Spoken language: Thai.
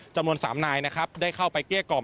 จำนวนสามนายได้เข้าไปเกลี้ยกรอบ